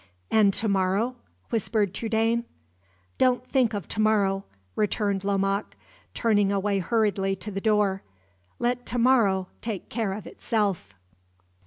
"And to morrow?" whispered Trudaine. "Don't think of to morrow," returned Lomaque, turning away hurriedly to the door "Let to morrow take care of itself."